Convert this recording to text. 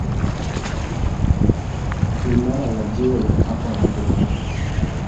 Ni mnara wa jiwe uliopakwa rangi nyeupe.